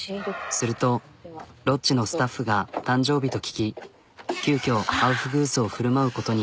するとロッジのスタッフが誕生日と聞き急きょアウフグースを振る舞うことに。